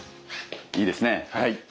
いいですねはい。